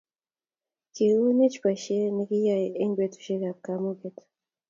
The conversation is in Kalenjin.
Kikikonwch boisie ne kiyoe eng' betusiekab kamung'et